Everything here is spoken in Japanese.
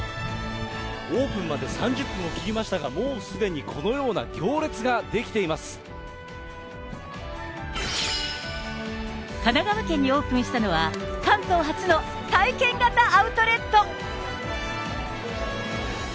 オープンまで３０分を切りましたが、もうすでにこのような行神奈川県にオープンしたのは、関東初の体験型アウトレット。